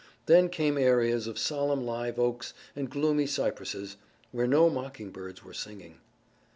Then came areas of solemn live oaks and gloomy cypresses, where no mockingbirds were singing.